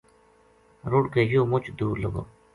رُڑ کے یوہ مُچ دور لگو